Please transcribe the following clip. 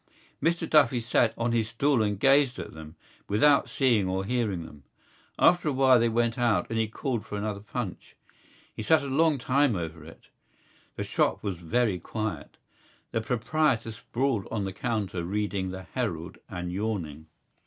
Mr Duffy sat on his stool and gazed at them, without seeing or hearing them. After a while they went out and he called for another punch. He sat a long time over it. The shop was very quiet. The proprietor sprawled on the counter reading the Herald and yawning.